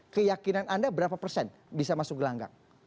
keyakinan anda berapa persen bisa masuk gelanggang